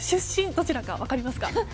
どちらか分かりますか？